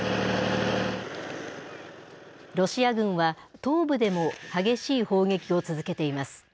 ロシア軍は、東部でも激しい砲撃を続けています。